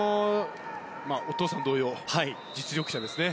お父さん同様、実力者ですね。